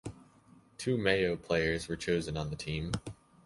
Two Mayo players were chosen on the team.